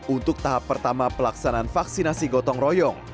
untuk tahap pertama pelaksanaan vaksinasi gotong royong